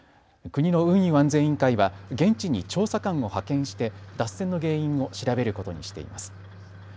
国の運輸安全委員会は現地に調査官を派遣して脱線の原因を調べることにしています。